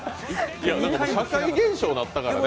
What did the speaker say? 社会現象になったからね。